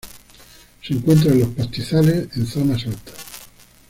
Se encuentra en los pastizales en zonas altas.